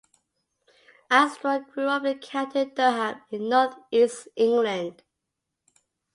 Armstrong grew up in County Durham in North East England.